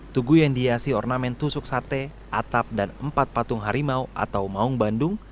tugu yang dihiasi ornamen tusuk sate atap dan empat patung harimau atau maung bandung